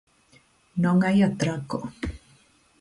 Non hai atraco.